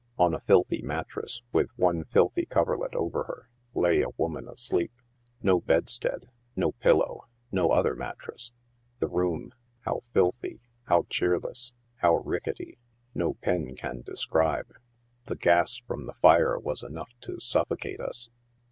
On a filthy mattrass, with one filthy coverlet over, her, lay a woman asleep. No bedstead ; no pillow, no other mat tress. The room — how filthy, how cheerless, how ricketty, no pen can describe. The gas from the fire was enough to suffocate us.